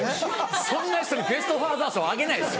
そんな人にベスト・ファーザー賞あげないです。